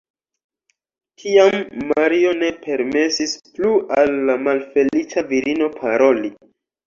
Tiam Mario ne permesis plu al la malfeliĉa virino paroli.